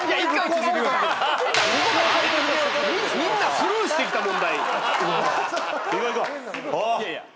みんなスルーしてきた問題。